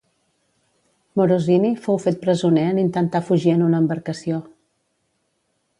Morosini fou fet presoner en intentar fugir en una embarcació.